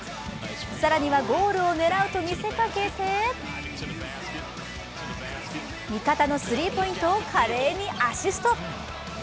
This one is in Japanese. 更にはゴールを狙うと見せかけて味方のスリーポイントを華麗にアシスト。